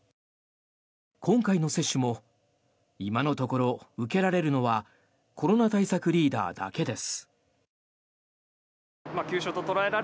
今回の接種も今のところ受けられるのはコロナ対策リーダーだけです。